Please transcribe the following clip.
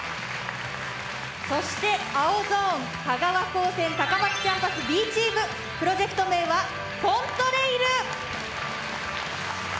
そして青ゾーン香川高専高松キャンパスＢチームプロジェクト名はＣＯＮＴＲＡＩＬ。